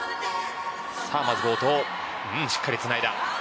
さあ、まず冒頭はしっかりつないだ。